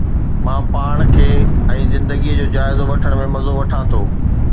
مان پاڻ کي ۽ زندگيءَ جو جائزو وٺڻ ۾ مزو وٺان ٿو